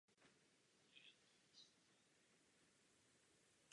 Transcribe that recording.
Okolí je tvořeno pastvinami a loukami.